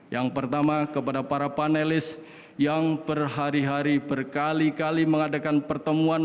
yang pertama kepada para panelis yang berhari hari berkali kali mengadakan pertemuan